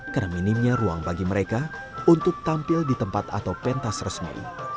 karena minimnya ruang bagi mereka untuk tampil di tempat atau pentas resmi